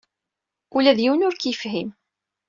Ula d yiwen ur k-yefhim.